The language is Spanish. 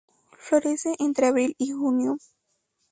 Florece entre abril y junio.